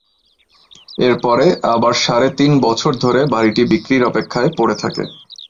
এরপরে আবার সাড়ে তিন বছর ধরে বাড়িটি বিক্রির অপেক্ষায় পড়ে থাকে।